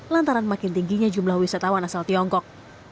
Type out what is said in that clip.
lantaran makin tingginya jumlah wisatawan asal tiongkok